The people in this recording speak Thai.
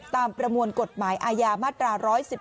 ตามประมวลกฎหมายอมรรตรา๑๑๖